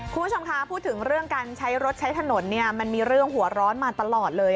คุณผู้ชมคะพูดถึงเรื่องการใช้รถใช้ถนนเนี่ยมันมีเรื่องหัวร้อนมาตลอดเลย